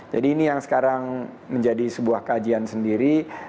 jadi ini yang sekarang menjadi sebuah kajian sendiri